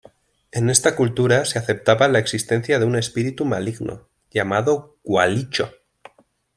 En esta cultura se aceptaba la existencia de un espíritu maligno, llamado Gualicho.